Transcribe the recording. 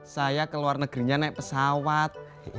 saya ke luar negerinya naik pesawat